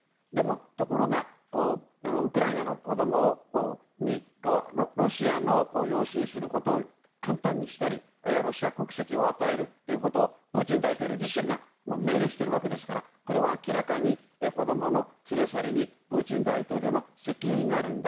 ところが、ウクライナの子供をロシアの養子にすることを簡単にしたりあるいは、ロシア国籍を与えることをプーチン大統領自身が命令しているわけですからこれは明らかに子供の連れ去りにプーチン大統領の責任があるんだ。